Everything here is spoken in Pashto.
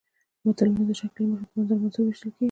متلونه د شکل له مخې په منظوم او منثور ویشل کېږي